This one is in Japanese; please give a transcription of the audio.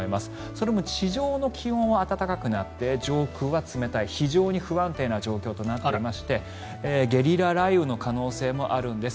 それも地上の気温は暖かくなって上空は冷たい非常に不安定な状態となっていましてゲリラ雷雨の可能性もあるんです。